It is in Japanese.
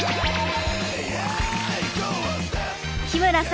日村さん